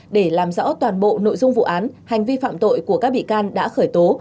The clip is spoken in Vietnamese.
để làm rõ toàn bộ nội dung vụ án hành vi phạm tội của các bị can đã khởi tố